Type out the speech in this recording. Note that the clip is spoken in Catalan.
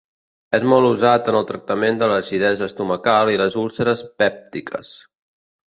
És molt usat en el tractament de l'acidesa estomacal i les úlceres pèptiques.